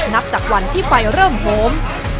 นับจากวันที่ไฟเริ่มโหม